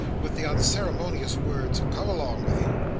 With the unceremonious words "Come along with you!"